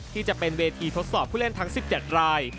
จะเป็นเวทีทดสอบผู้เล่นทั้ง๑๗ราย